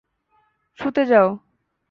শুতে যাও।